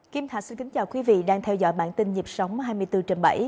kim thạch xin kính chào quý vị đang theo dõi bản tin nhịp sống hai mươi bốn trên bảy